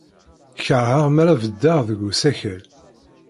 Keṛheɣ mi ara beddeɣ deg usakal.